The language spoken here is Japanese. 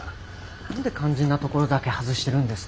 何で肝心なところだけ外してるんですか。